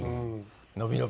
伸び伸び。